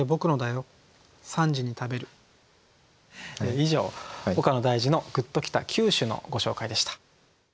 以上「岡野大嗣の“グッときた九首”」のご紹介でした。